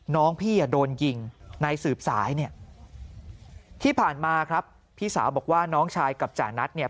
น้องพี่อ่ะโดนยิงในสืบสายเนี่ยที่ผ่านมาครับพี่สาวบอกว่าน้องชายกับจานัทเนี่ย